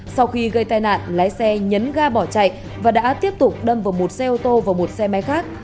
sau khi gây tai nạn lái xe nhấn ga bỏ chạy và đã tiếp tục đâm vào một xe ô tô và một xe máy khác